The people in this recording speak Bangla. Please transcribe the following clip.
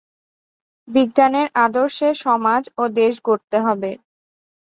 বিজ্ঞানের আদর্শে সমাজ ও দেশ গড়তে হবে।